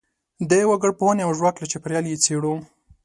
د وګړپوهنې او ژواک له چاپیریال یې څېړو.